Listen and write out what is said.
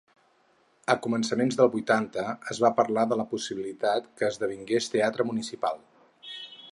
A començament dels vuitanta, es va parlar de la possibilitat que esdevingués teatre municipal.